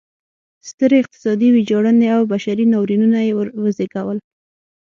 سترې اقتصادي ویجاړنې او بشري ناورینونه یې وزېږول.